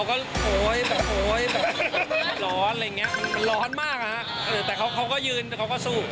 โอ๊ยร้อนอะไรอย่างนี้ร้อนมากนะแต่เขาก็ยืนเขาก็สู้